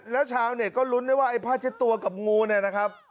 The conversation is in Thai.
แล้วชาวเน็ตก็ลุ้นได้ว่าไอ้ผ้าเช็ดตัวกับงูเนี่ยนะครับ